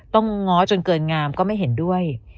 ง้อจนเกินงามก็ไม่เห็นด้วย